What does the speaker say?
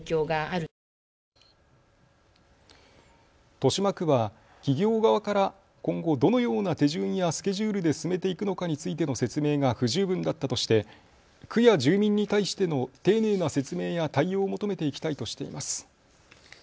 豊島区は企業側から今後どのような手順やスケジュールで進めていくのかについての説明が不十分だったとして区や住民に対しての丁寧な説明や対応を求めていきたいとしています。